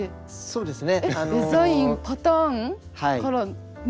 そうですね。